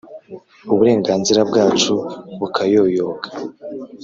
uburenganzira bwacu bukayoyoka